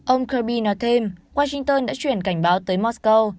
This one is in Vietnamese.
ông kirby nói thêm washington đã chuyển cảnh báo tới mosco